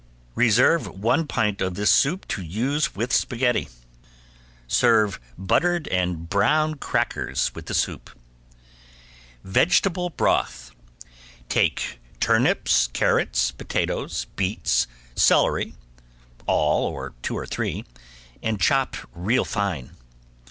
Reserve one pint of this soup to use with spaghetti. Serve buttered and browned crackers with the soup. ~VEGETABLE BROTH~ Take turnips, carrots, potatoes, beets, celery, all, or two or three, and chop real fine.